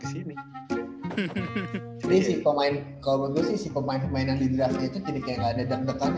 ini sih kalau gua sih pemain pemainan di draft nya itu kayak gak ada dampakannya